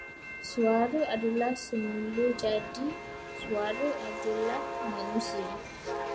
Suara adalah semulajadi, suara adalah manusia.